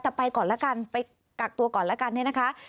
แต่ไปก่อนแล้วกันไปกักตัวก่อนแล้วกันเนี่ยนะคะ